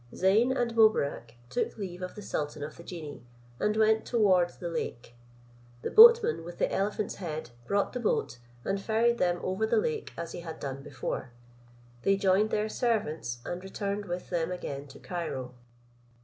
Zeyn and Mobarec took leave of the sultan of the genii, and went towards the lake. The boatman with the elephant's head brought the boat, and ferried them over the lake as he had done before. They joined their servants, and returned with them again to Cairo.